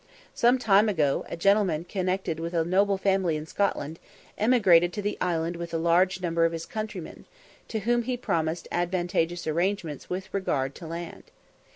Some time ago, a gentleman connected with a noble family in Scotland, emigrated to the island with a large number of his countrymen, to whom he promised advantageous arrangements with regard to land.